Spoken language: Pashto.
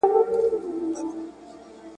خلک ورو ورو له ظالم سره روږدیږي ..